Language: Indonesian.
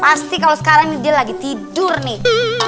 pasti kalo sekarang nih dia lagi tidur nih